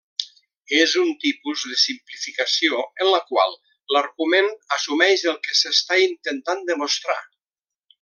És un tipus de simplificació en la qual l'argument assumeix el que s'està intentant demostrar.